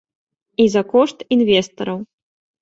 І за кошт інвестараў.